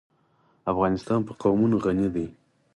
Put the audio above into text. افغانستان په قومونه غني دی.